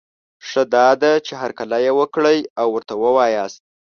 ښه دا ده، چي هرکلی یې وکړی او ورته وواياست